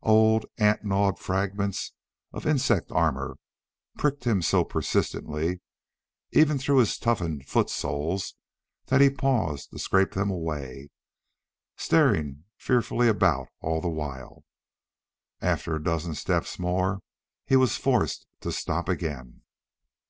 Old, ant gnawed fragments of insect armor pricked him so persistently, even through his toughened foot soles, that he paused to scrape them away, staring fearfully about all the while. After a dozen steps more he was forced to stop again.